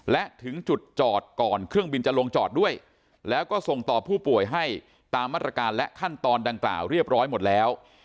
และถึงจุดจอดก่อนเครื่องบินจะลงจอดด้วยแล้วก็ส่งต่อผู้ป่วยให้ตามมาตรการและขั้นตอนดังกล่าวเรียบร้อยหมดแล้ว